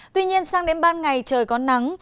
tuy nhiên sang đến ban ngày trời có nắng